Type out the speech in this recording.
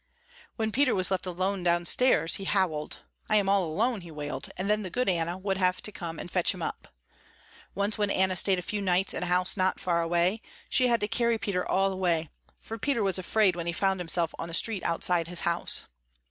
When Peter was left downstairs alone, he howled. "I am all alone," he wailed, and then the good Anna would have to come and fetch him up. Once when Anna stayed a few nights in a house not far away, she had to carry Peter all the way, for Peter was afraid when he found himself on the street outside his house.